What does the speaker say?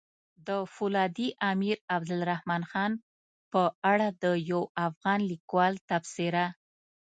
د فولادي امير عبدالرحمن خان په اړه د يو افغان ليکوال تبصره!